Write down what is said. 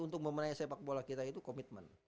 untuk memenangi sepak bola kita itu komitmen